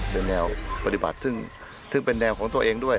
โดยแนวปฏิบัติซึ่งเป็นแนวของตัวเองด้วย